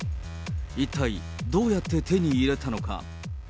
一体どうやって手に入れたのか。